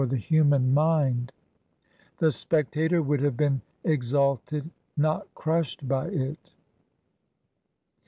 73 EGYPT mind. The spectator would have been exalted, not crushed by it.